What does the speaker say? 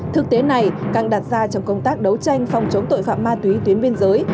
thực tế này càng đặt ra trong công tác đấu tranh phòng chống tội phạm ma túy tuyến biên giới